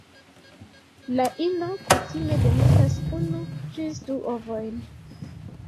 La ino kutime demetas unu ĝis du ovojn.